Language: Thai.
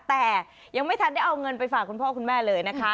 แต่ยังไม่ทันได้เอาเงินไปฝากคุณพ่อคุณแม่เลยนะคะ